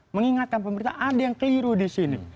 mengingatkan pemerintah ada yang keliru di sini